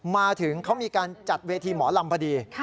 มาถึงเขามีการจัดเวทีหมอลำพอดี